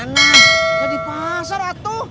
nggak di pasar atuh